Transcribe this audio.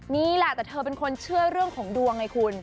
นี่แหละแต่เธอเป็นคนเชื่อเรื่องของดวงไงคุณ